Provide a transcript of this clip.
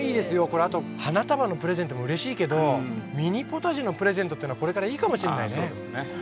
これあと花束のプレゼントもうれしいけどミニポタジェのプレゼントっていうのはこれからいいかもしれないね。